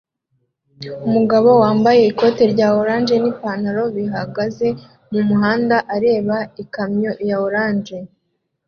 Umugabo wambaye ikoti rya orange nipantaro bihagaze mumuhanda areba ikamyo ya orange